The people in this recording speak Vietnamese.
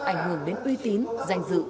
ảnh hưởng đến uy tín danh dự